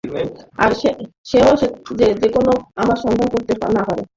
আর সেও যেনো আমার সন্ধান করতে না পারে।